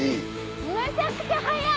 めちゃくちゃ速い！